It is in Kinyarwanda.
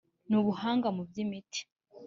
n ubuhanga mu by imiti